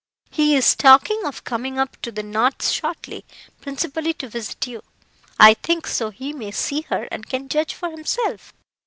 He is talking of coming up to the north shortly, principally to visit you, I think, so he may see her, and can judge for himself.